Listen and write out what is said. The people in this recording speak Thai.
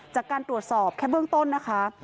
จากการตรวจสอบแค่เบื้องต้นนะคะ